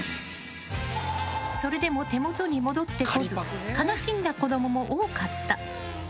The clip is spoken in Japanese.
それでも手元に戻ってこず悲しんだ子供も多かった。